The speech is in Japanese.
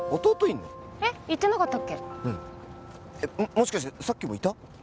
もしかしてさっきもいた？